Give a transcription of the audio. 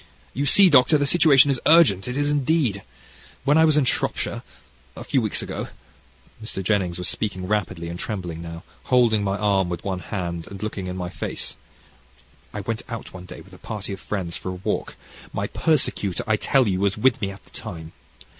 You see, Doctor, the situation is urgent, it is indeed. When I was in Shropshire, a few weeks ago" (Mr. Jennings was speaking rapidly and trembling now, holding my arm with one hand, and looking in my face), "I went out one day with a party of friends for a walk: my persecutor, I tell you, was with me at the time.